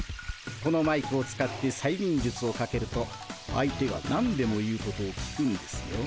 このマイクを使ってさいみんじゅつをかけると相手が何でも言うことを聞くんですよ。